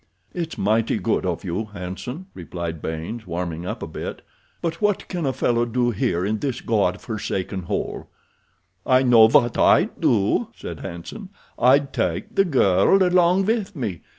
"It's mighty good of you, Hanson," replied Baynes, warming up a bit; "but what can a fellow do here in this God forsaken hole?" "I know what I'd do," said Hanson. "I'd take the girl along with me.